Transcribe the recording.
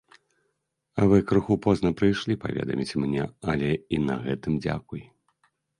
Вы крыху позна прыйшлі паведаміць мне, але і на гэтым дзякуй.